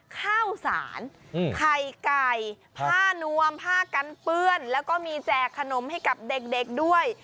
ข้าวสารไข่ไก่ผ้านวมผ้ากันเปื้อนแล้วก็มีแจกขนมให้กับเด็กด้วย